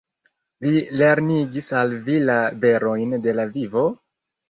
Li lernigis al vi la verojn de la vivo?